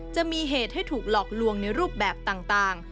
จะมีเหตุให้ถูกหลอกลวงในรูปแบบต่าง